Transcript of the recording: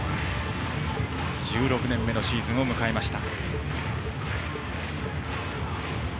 １６年目のシーズンを迎えました。